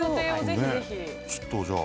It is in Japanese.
◆ちょっとじゃあ。